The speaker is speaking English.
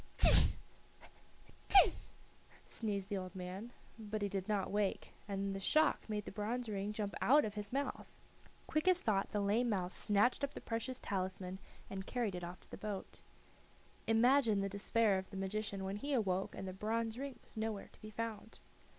"Atisha! atisha!" sneezed the old man, but he did not wake, and the shock made the bronze ring jump out of his mouth. Quick as thought the lame mouse snatched up the precious talisman and carried it off to the boat. Imagine the despair of the magician when he awoke and the bronze ring was nowhere to be found!